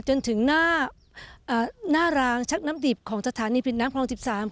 จนถึงหน้ารางชักน้ำดิบของสถานีพินน้ำคลอง๑๓